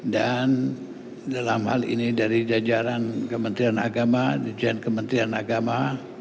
dan dalam hal ini dari jajaran kementerian agama jajaran kementerian agama